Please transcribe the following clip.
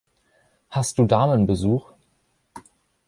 Hast du Damenbesuch?